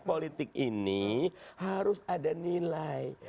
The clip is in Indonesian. politik ini harus ada nilai